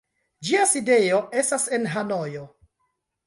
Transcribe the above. Ĝia sidejo estas en Hanojo.